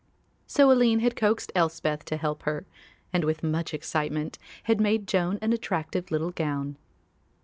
So Aline had coaxed Elspeth to help her, and, with much excitement, had made Joan an attractive little gown.